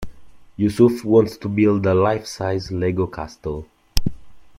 Yusuf wants to build a life-size Lego castle.